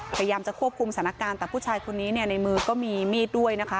พยายามจะควบคุมสถานการณ์แต่ผู้ชายคนนี้เนี่ยในมือก็มีมีดด้วยนะคะ